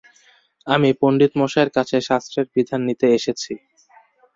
আমি কী পণ্ডিতমশায়ের কাছে শাস্ত্রের বিধান নিতে এসেছি?